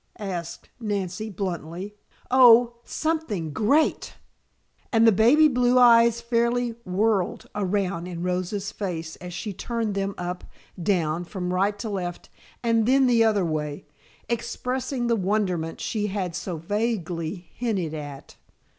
asked Nancy, bluntly. "Oh, something great!" and the baby blue eyes fairly whirled around in Rosa's face as she turned them up, down, from right to left and then the other way, expressing the wonderment she had so vaguely hinted at.